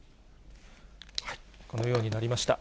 このようになりました。